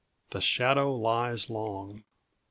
The Shadow Lies Long.